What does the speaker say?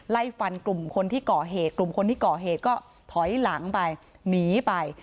ไล่ฟันกลุ่มคนที่ก่อเหตุกลุ่มคนที่ก่อเหตุก็ถอยหลังไปหนีไป